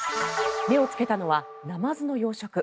目をつけたのはナマズの養殖。